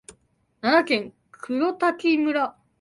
奈良県黒滝村